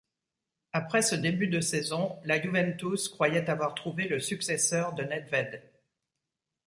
Après ce début de saison la Juventus croyait avoir trouvé le successeur de Nedved.